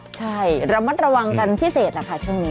ใช่ระมัดระวังกันพิเศษแหละค่ะช่วงนี้